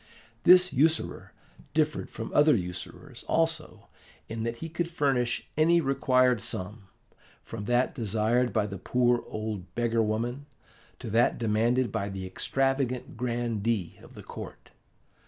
This usurer differed from other usurers also in that he could furnish any required sum, from that desired by the poor old beggar woman to that demanded by the extravagant grandee of the court.